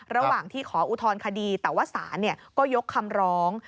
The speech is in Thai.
ระหว่างที่ขออุทธรณคดีแต่ว่าศาลก็ยกคำร้อง